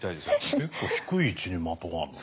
結構低い位置に的がある。